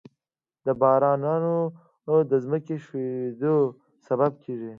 دا بارانونه د ځمکې ښویېدو سبب کېږي.